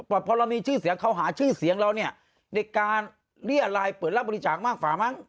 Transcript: พอเรามีชื่อเสียงเขาหาชื่อเสียงเราเนี่ยในการเรียรายเปิดรับบริจาคมากกว่ามั้ง